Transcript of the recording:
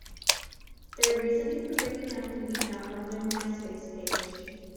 Their reasoning for breaking up can be found on their MySpace page.